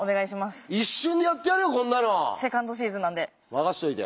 任しといて。